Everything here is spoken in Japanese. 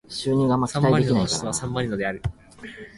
サンマリノの首都はサンマリノである